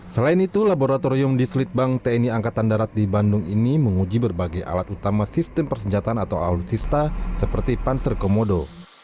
selain itu laboratorium di selitbang tni angkatan darat di bandung ini menguji berbagai alat utama sistem persenjataan atau alutsista seperti panser komodo